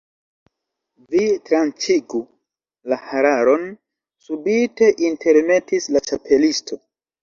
"Vi tranĉigu la hararon," subite intermetis la Ĉapelisto.